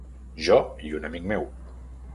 Jo i un amic meu.